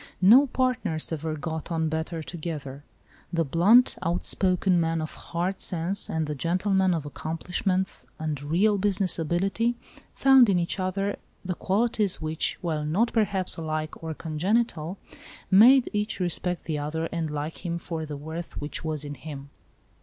No partners ever got on better together. The blunt, outspoken man of hard sense and the gentleman of accomplishments and real business ability found in each other the qualities which, while not, perhaps, alike or congenial, made each respect the other and like him for the worth I ALICE ; OR, THE WAGES OF SIN. 21 which was in him.